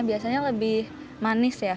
biasanya lebih manis ya